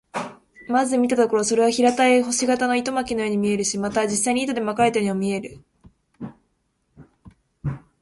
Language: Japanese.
まず見たところ、それは平たい星形の糸巻のように見えるし、また実際に糸で巻かれているようにも見える。